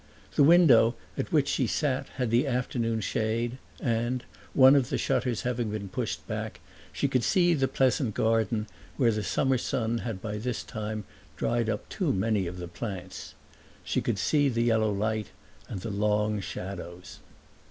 The window at which she sat had the afternoon shade and, one of the shutters having been pushed back, she could see the pleasant garden, where the summer sun had by this time dried up too many of the plants she could see the yellow light and the long shadows.